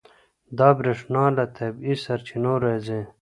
دا برېښنا له طبیعي سرچینو راځي.